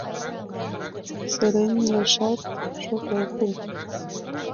Сырен илашат шот огыл.